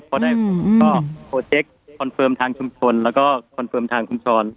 พอได้ผมก็โปรเจคคอนเฟิร์มทางชุมชนแล้วก็คอนเฟิร์มทางคุณชร